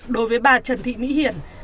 đối với bà trần thị mỹ hiển